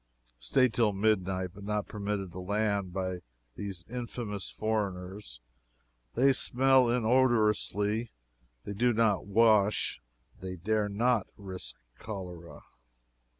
Staid till midnight, but not permitted to land by these infamous foreigners. They smell inodorously they do not wash they dare not risk cholera.